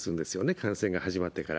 感染が始まってから。